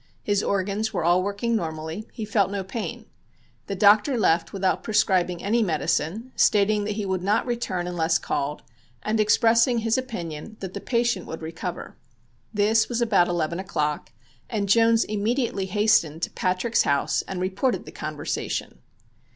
His organs were all working normally; he felt no pain. The doctor left without prescribing any medicine, stating that he would not return unless called, and expressing his opinion that the patient would recover. This was about eleven o'clock, and Jones immediately hastened to Patrick's house and reported the conversation.